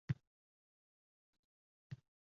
Uchrashgandik ikkov kechqurun.